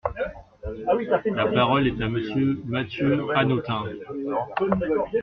La parole est à Monsieur Mathieu Hanotin.